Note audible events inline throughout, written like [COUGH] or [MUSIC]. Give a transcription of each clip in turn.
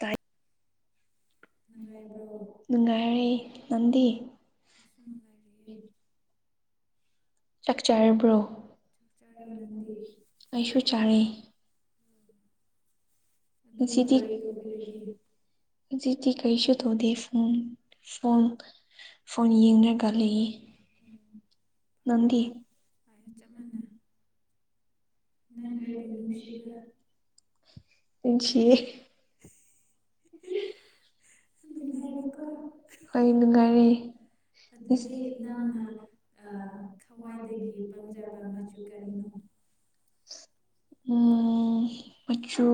ꯇꯥꯏ ꯅꯨꯡꯉꯥꯏꯔꯤ ꯅꯗꯤ ꯑꯩꯁꯨꯅ ꯒꯥꯔꯤꯩ ꯆꯥꯛꯆꯔꯕ꯭ꯔꯣ ꯑꯩꯁꯨꯁꯨ ꯆꯔꯦ ꯤꯗꯤꯤꯗꯤ ꯀꯩꯁꯨ ꯑꯗꯨꯗꯤ ꯐꯣꯟ ꯐꯣꯟ ꯐꯣꯟ ꯌꯦꯡꯅꯔꯒ ꯂꯩꯌꯦ ꯑꯣ ꯐꯔꯦ ꯑ ꯆꯞ ꯃꯥꯟꯅꯩ ꯅ ꯂꯩꯃꯦꯁꯗ ꯅꯨꯡꯁꯤꯌꯦ ꯑꯩ ꯅꯨꯡꯉꯥꯏꯔꯦ ꯎꯝ ꯀꯆꯨ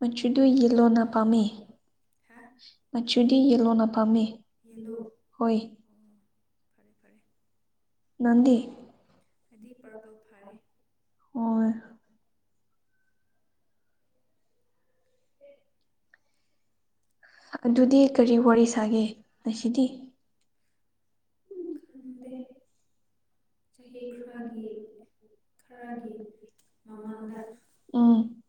ꯃꯆꯨꯗꯨ ꯌꯦꯜꯂꯣꯅ ꯄꯥꯝꯃꯤ ꯑ ꯆꯨꯗꯤ ꯌꯦꯜꯂꯣꯅ ꯄꯥꯝꯃꯤ ꯌꯦꯂꯣ ꯑꯣ ꯐꯔꯦ ꯐꯔꯦ ꯃꯗꯤ ꯍꯥꯏꯗꯤ ꯄꯥꯔꯄꯜ ꯐꯥꯔꯦ ꯑꯗꯨꯗꯤ ꯀꯔꯤ ꯋꯥꯔꯤ ꯁꯥꯒꯦ ꯉꯁꯤꯗꯤ ꯈꯪꯗꯦ ꯎꯝ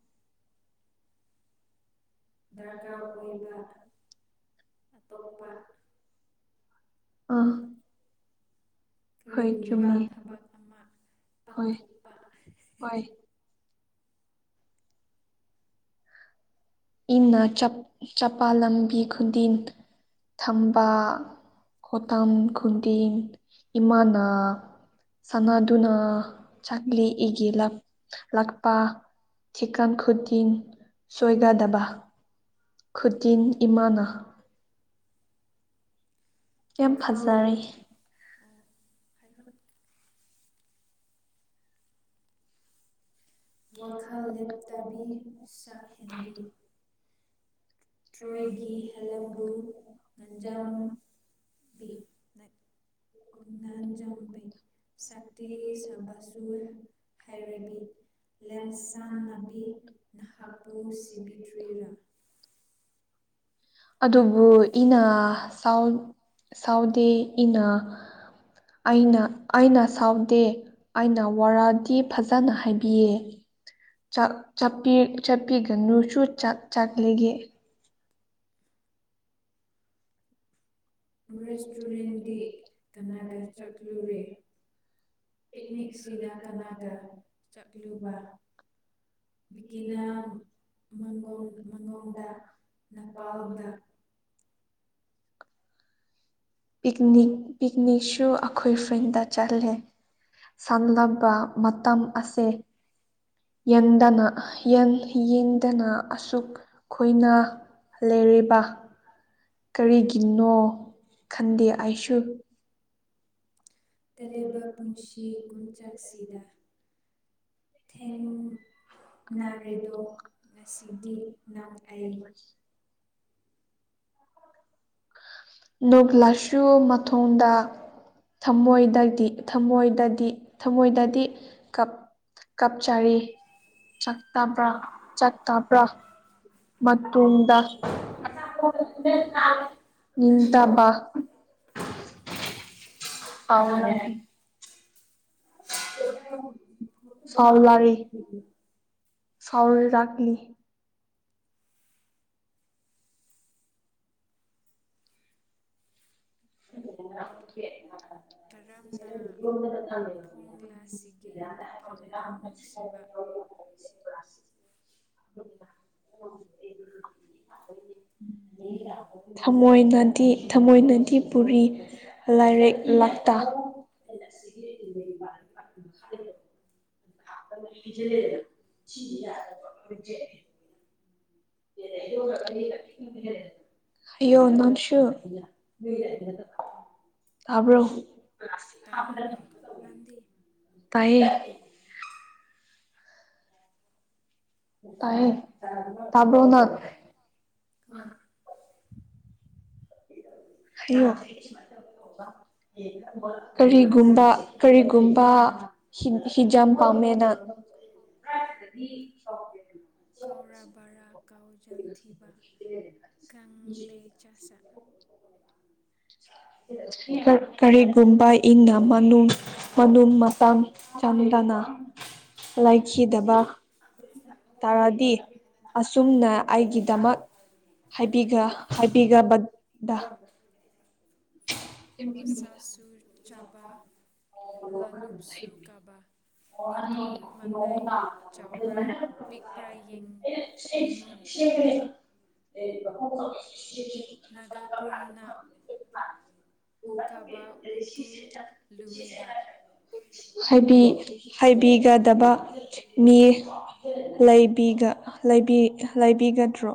[INAUDIBLE] ꯑ ꯀꯔꯤꯒꯨꯝꯕ ꯊꯕꯛ ꯑꯃ ꯄꯥꯛꯊꯣꯛꯄ ꯏꯅ ꯆꯄꯥ ꯂꯝꯕꯤ ꯈꯨꯟꯗꯤꯟ ꯊꯝꯕ ꯈꯣꯇꯥꯝ ꯈꯨꯟꯗꯤꯟ ꯏꯃꯥꯅ ꯁꯥꯟꯅꯗꯨꯅ ꯆꯥꯛꯂꯤ ꯏꯒꯤ ꯂꯥꯛꯄ ꯊꯤꯀꯝ ꯈꯨꯗꯤꯟ ꯁꯣꯏꯒ ꯇꯕ ꯈꯨꯗꯤꯟ ꯏꯃꯥꯅ ꯀ ꯐꯖꯔꯦ [INAUDIBLE] [INAUDIBLE] ꯇ꯭ꯔꯣꯏꯒꯤ ꯍꯦꯜꯂꯝꯕꯨ ꯉꯟꯖꯝꯕꯤ ꯉꯟꯖꯝꯕꯤ ꯁꯛꯇꯤ ꯁꯥꯕꯁꯨ ꯍꯩꯔꯕꯤ ꯂꯦꯝꯆꯥꯟꯅꯕꯤ ꯅꯍꯥꯛꯄꯨ ꯁꯤꯕꯤꯇ꯭ꯔꯤꯔꯥ ꯑꯗꯨꯕꯨ ꯏꯅꯥꯎ ꯁꯥꯎꯗꯦ ꯏꯅ ꯑꯩꯅ ꯑꯩꯅ ꯁꯥꯎꯗꯦ ꯑꯩꯅ ꯋꯥꯔꯗꯤ ꯐꯖꯅ ꯍꯥꯏꯕꯤꯌꯦ ꯆꯠꯄꯤꯒꯅꯨꯁꯨꯥꯛ ꯆꯥꯛꯂꯤꯒꯦ [INAUDIBLE] ꯄꯤꯛꯅꯤꯛ ꯄꯤꯛꯅꯤꯛꯁꯨ ꯑꯩꯈꯣꯏ ꯐ꯭ꯔꯦꯟꯗ ꯆꯠꯂꯦ ꯁꯝꯂꯕ ꯃꯇꯝ ꯑꯁꯦ ꯌꯦꯟꯗꯅ ꯌꯦꯟ ꯌꯦꯡꯗꯅ ꯑꯁꯨꯛ ꯑꯩꯈꯣꯏꯅ ꯂꯩꯔꯤꯕ ꯀꯔꯤꯒꯤꯅꯣ ꯈꯟꯗꯦ ꯑꯩꯁꯨ ꯇꯦꯂꯦꯕ ꯄꯨꯟꯁꯤ ꯀꯣꯟꯆꯥꯛꯁꯤꯗ ꯊꯦꯡꯅꯔꯦꯗꯣ ꯉꯁꯤꯗꯤ ꯅꯪꯏ ꯅꯣꯛꯂꯁꯨ ꯃꯇꯨꯡꯣꯡꯗ ꯊꯃꯣꯏꯗꯗꯤ ꯊꯃꯣꯏꯗꯗꯤ ꯊꯃꯣꯏꯗꯗꯤ ꯀꯞꯆꯔꯤ ꯆꯕ꯭ꯔꯥ ꯆꯛꯇꯕ꯭ꯔꯥ ꯃꯇꯨꯡꯗ ꯏꯇꯕ ꯑꯅꯦ ꯁꯥꯎꯂꯔꯦ ꯁꯥꯥꯎꯂꯔ ꯇꯥꯛꯂꯤ [INAUDIBLE] [INAUDIBLE] ꯊꯃꯣꯏ ꯟꯗꯤ ꯊꯝꯃꯣꯏ ꯟꯗꯤ ꯄꯨꯔꯤ ꯂꯥꯏꯔꯛ ꯂꯥꯛꯇꯥ ꯁꯤ ꯌꯒꯒꯔꯤꯂ ꯍꯌꯣ ꯅꯣꯟꯁꯨꯔ ꯇꯕ꯭ꯔꯣ ꯇꯥꯏꯌꯦ ꯇꯥꯏ ꯇꯥꯕ꯭ꯔꯣꯅ ꯎꯝ ꯍꯥꯏꯌꯣ ꯀꯔꯤꯒꯨꯝꯕ ꯀꯔꯤꯒꯨꯝꯕ ꯍꯤꯖꯝ ꯄꯥꯝꯃꯦꯅ ꯆꯟꯊꯤꯕ ꯀꯪꯂꯩ ꯆꯥꯁꯥ ꯀꯔꯤꯒꯨꯝꯕ ꯏꯪꯅ ꯃꯅꯨꯡ ꯃꯅꯨꯡ ꯃꯄꯥꯡ ꯆꯪꯗꯅ ꯂꯩꯈꯤ ꯈꯤꯗꯕ ꯇꯥꯔꯗꯤ ꯑꯁꯨꯝꯅ ꯑꯩꯒꯤꯗꯃꯛ ꯍꯥꯏꯕꯤꯒ ꯍꯥꯏꯕꯤꯒꯕꯗ ꯋꯥꯁꯥꯁꯨ ꯆꯕꯥꯥ ꯂꯥꯜꯂꯨꯨꯞꯁꯨ ꯀꯕꯥꯥ ꯑꯣ [UNINTELLIGIBLE] ꯍꯥꯏꯕꯤ ꯍꯥꯏꯕꯤꯒꯗꯕ ꯃꯤ ꯂꯩꯕꯤꯒ ꯂꯩꯕꯤ ꯂꯩꯕꯤꯒꯗ꯭ꯔꯣ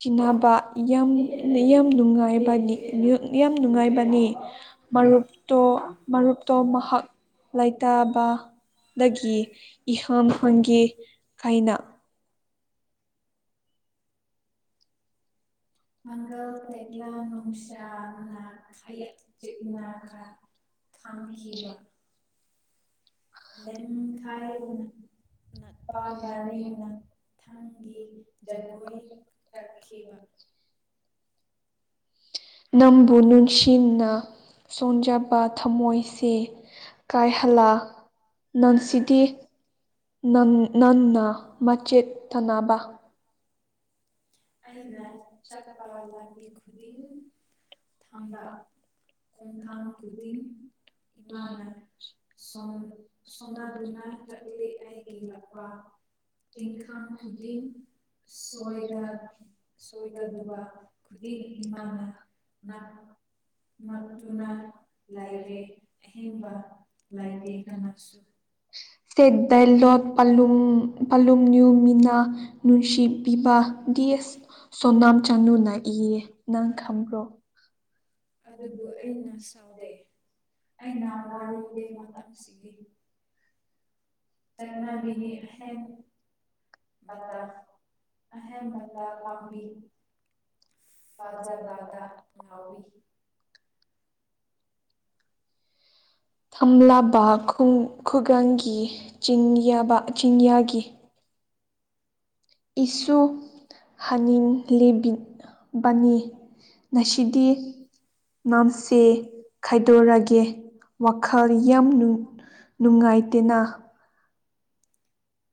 ꯆꯤꯟꯅꯕ ꯌꯥꯝ ꯂ ꯌꯥꯝ ꯅꯨꯡꯉꯥꯏꯕꯅꯤ ꯅꯨ ꯌꯥꯝ ꯅꯨꯡꯉꯥꯏꯕꯅꯤ ꯃꯔꯨꯞꯇꯣ ꯃꯔꯨꯞꯇꯣ ꯃꯍꯥꯛ ꯂꯩꯇꯥꯕꯗꯒꯤ ꯏꯍꯪ ꯍꯪꯒꯦ ꯈꯥꯏꯅ ꯄꯥꯡꯒꯜ ꯇꯦꯛꯂꯥ ꯅꯨꯡꯁꯥꯅ ꯈꯌꯥꯠ ꯆꯤꯛꯅ ꯈꯥ ꯈꯥꯝꯈꯤꯕ [UNINTELLIGIBLE] ꯅꯝꯕꯨ ꯅꯨꯡꯁꯤꯅ ꯁꯣꯟꯖꯕ ꯊꯃꯣꯏꯁꯦ ꯀꯥꯏꯍꯜꯂꯥ ꯅꯟꯁꯤꯗꯤ ꯅꯪ ꯅꯟꯅ ꯃꯆꯦꯠ ꯊꯅꯕ ꯑꯩꯒꯤ [UNINTELLIGIBLE] ꯁꯣꯏꯕꯗꯨꯕ ꯈꯨꯗꯤꯡ ꯏꯃꯥꯅ ꯅꯥꯛ ꯉꯛꯇꯨꯅ ꯂꯩꯔꯦ ꯑꯍꯦꯡꯕ ꯂꯩꯥꯏꯇꯦ ꯀꯅꯥꯁꯨ ꯁꯇꯦꯠ ꯗꯂꯣꯠ ꯄꯥꯂꯨꯝ ꯄꯥꯂꯨꯝꯅ꯭ꯌꯨ ꯃꯤꯅꯥ ꯅꯨꯟꯁꯤ ꯄꯤꯕ ꯗꯤꯁ ꯁꯣꯅꯥꯝ ꯆꯅꯨꯅꯏ ꯅꯪ ꯊꯝꯒꯔꯣ ꯑꯗꯨꯕꯨ ꯑꯩꯅ ꯁꯥꯎꯗꯦ ꯑꯩꯅ ꯋꯥꯔꯨꯗꯦ ꯃꯇꯝꯁꯤ [UNINTELLIGIBLE] ꯑꯍꯦꯟ ꯕ ꯇ ꯑꯍꯦꯟꯕꯇ ꯄꯥꯝꯕꯤ ꯐꯖꯕ ꯗ ꯉꯥꯎ ꯊꯝꯂꯕ ꯈꯨꯡ ꯈꯨꯒꯪꯒꯤ ꯆꯤꯡꯌꯕ ꯆꯤꯡꯌꯒꯤ ꯏꯁꯨꯨ ꯑꯅꯤꯡꯂꯤꯕꯤꯕꯅꯤ ꯉꯁꯤꯗꯤ ꯃꯝꯁꯦ ꯈꯥꯏꯗꯣꯔꯒꯦ ꯋꯥꯈꯜ ꯌꯥꯝ ꯅꯨ ꯅꯨꯡꯉꯥꯏꯇꯦꯅ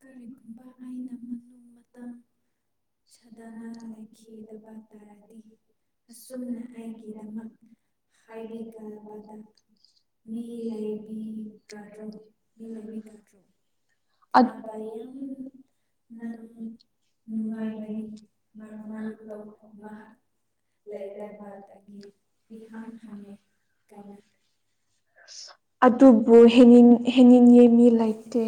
ꯀꯔꯤꯒꯨꯝꯕ ꯁꯥꯗꯅ ꯂꯩꯈꯤꯗꯕ ꯇꯥꯔꯗꯤ ꯑꯁꯨꯝꯅ ꯑꯩꯒꯤꯗꯃꯛ ꯍꯥꯏꯕꯤꯒꯕꯗ ꯃꯤ ꯂꯩꯕꯤꯒꯗ꯭ꯔꯣ ꯃꯤ ꯂꯩꯕꯤꯒꯗ꯭ꯔꯣ ꯇꯤꯟꯅꯕ ꯌꯥꯝ ꯅꯪ ꯅꯨꯡꯉꯥꯏꯕꯅꯤ ꯃꯔ ꯃꯔꯨꯞꯇꯣ ꯃꯍꯥꯛ ꯂꯩꯇꯕ [INAUDIBLE] ꯑꯗꯨꯕꯨ ꯍꯦꯅꯤꯟ ꯍꯦꯅꯤꯟ ꯌꯦꯃꯤ ꯂꯩꯕꯗꯤ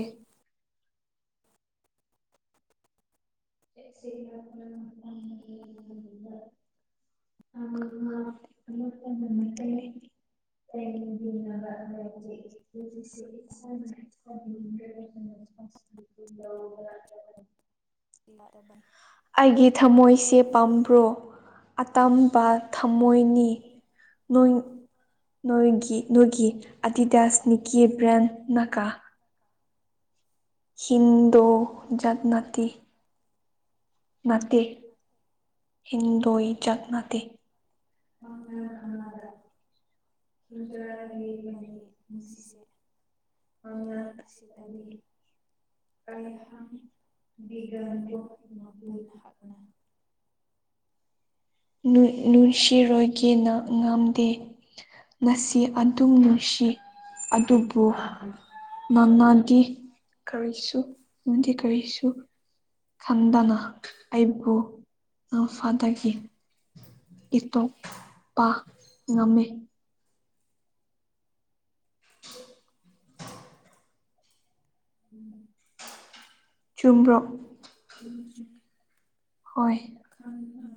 [UNINTELLIGIBLE] ꯑꯩꯒꯤ ꯊꯃꯣꯏꯁꯦ ꯄꯥꯝꯕ꯭ꯔꯣ ꯑꯇꯝꯕ ꯊꯝ ꯃꯣꯏꯅꯤ ꯅꯣꯏ ꯅꯣꯏꯒꯤ ꯅꯣꯏꯒꯤ ꯑꯇꯤ ꯍꯤꯟꯗꯨꯥ ꯖꯟꯃꯇꯤ ꯇꯦ ꯍꯤꯟꯗꯣꯏꯖꯠ ꯇꯦ ꯃꯪꯂꯥꯟ ꯑꯃꯗ [UNINTELLIGIBLE] ꯅꯨꯡꯁꯤꯔꯣꯏꯒꯦꯅ ꯉꯝꯗꯦ ꯉꯁꯤ ꯑꯗꯨꯝ ꯅꯨꯡꯁꯤ ꯑꯗꯨꯕꯨ ꯃꯃꯥꯗꯤ ꯀꯔꯤꯁꯨꯗꯤ ꯀꯔꯤꯁꯨ ꯈꯟꯗꯅ ꯑꯩꯕꯨ ꯉꯐꯥꯗꯒꯤ ꯏꯟꯊꯣꯛꯄꯥ ꯉꯝꯃꯦ [UNINTELLIGIBLE] ꯎꯝ ꯆꯨꯝꯕ꯭ꯔꯣ ꯆꯨꯝꯃꯦ ꯆꯨꯝꯃꯦ ꯈꯟ ꯑ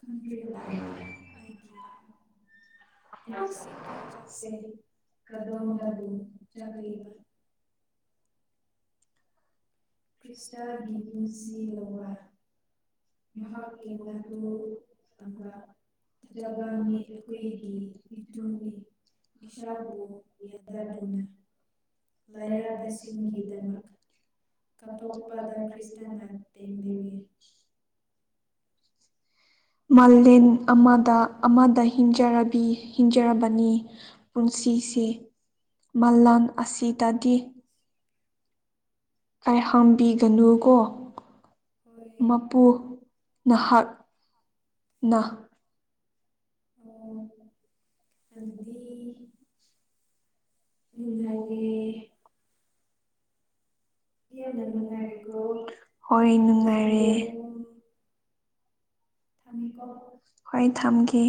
ꯈꯟꯗ꯭ꯔꯤꯗ ꯑꯩꯒꯤ ꯄꯨꯟꯁꯤ ꯈꯣꯡꯆꯠꯁꯦ ꯀꯗꯣꯝꯗꯕꯨ ꯆꯠꯂꯤꯕ ꯈ꯭ꯔꯤꯁꯇ ꯗꯤꯟꯁꯤ ꯔꯋꯥꯏ [UNINTELLIGIBLE] ꯃꯥꯂꯦꯝ ꯑꯃꯗ ꯑꯃꯗ ꯍꯤꯟꯖꯔꯕꯤ ꯍꯤꯡꯖꯔꯕꯅꯤ ꯄꯨꯟꯁꯤꯁꯦ ꯃꯂꯥꯟ ꯑꯁꯤꯗꯗꯤ ꯀꯥꯏꯍꯧꯕꯤꯒꯅꯨꯀꯣ ꯃꯄꯨ ꯅꯍꯥꯛ ꯅ ꯑꯣ ꯑꯗꯨꯗꯤ ꯨꯅꯨꯡꯉꯥꯏꯔꯦ ꯍꯦꯟꯅ ꯅꯨꯡꯉꯥꯏ꯭ꯕꯔꯣ ꯍꯣꯏ ꯅꯨꯡꯉꯥꯏꯔꯦ ꯊꯃꯦꯀꯣ ꯍꯣꯏ ꯊꯝꯒꯦ